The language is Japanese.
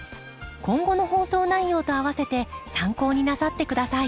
今後の放送内容とあわせて参考になさって下さい。